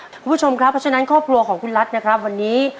คุณผู้ชมครับเพราะฉะนั้นครอบครัวของคุณรัฐนะครับวันนี้